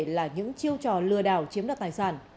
là những chiêu trò lừa đảo chiếm đoạt tài sản